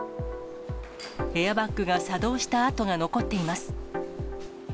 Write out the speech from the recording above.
エアバッグが作動した跡が残っています。